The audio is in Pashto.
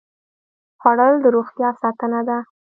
خوړل د روغتیا ساتنه ده